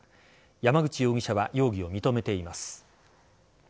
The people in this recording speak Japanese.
山口容疑者は容疑を認めています。